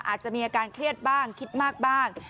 อาจจะมีอาการเครียดบ้างคิดมากบ้าง